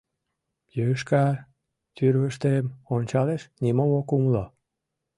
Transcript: Йошкар тӱрвыштым ончалеш — нимом ок умыло.